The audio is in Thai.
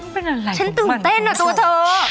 เป็นอะไรของมันฉันตื่นเต้นเหรอตัวเธอ